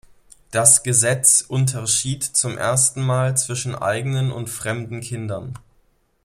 Das Gesetz unterschied zum ersten Mal zwischen eigenen und fremden Kindern.